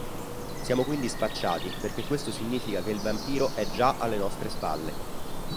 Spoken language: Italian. Siamo quindi spacciati perché questo significa che il vampiro è già alle nostre spalle.